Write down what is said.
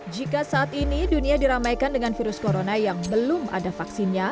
jika saat ini dunia diramaikan dengan virus corona yang belum ada vaksinnya